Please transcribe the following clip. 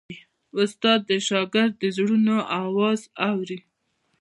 استاد د شاګرد د زړونو آواز اوري.